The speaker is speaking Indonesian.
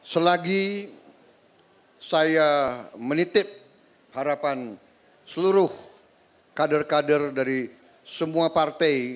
selagi saya menitip harapan seluruh kader kader dari semua partai